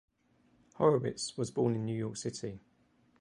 Horowitz was born in New York City.